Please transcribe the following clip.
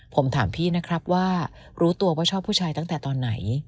ผมถามพี่นะครับว่ารู้ตัวว่าชอบผู้ชายตั้งแต่ตอนไหน